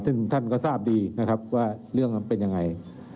ซึ่งท่านก็ทราบดีนะครับว่าเรื่องมันเป็นยังไง